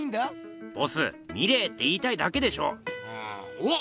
おっ！